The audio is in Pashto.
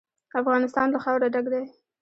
افغانستان له خاوره ډک دی.